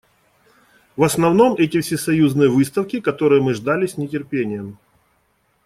В основном, эти Всесоюзные выставки, которые мы ждали с нетерпением.